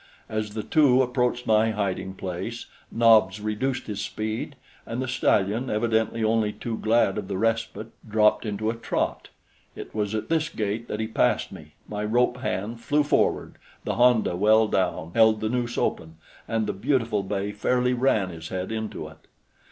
As the two approached my hiding place, Nobs reduced his speed, and the stallion, evidently only too glad of the respite, dropped into a trot. It was at this gait that he passed me; my rope hand flew forward; the honda, well down, held the noose open, and the beautiful bay fairly ran his head into it.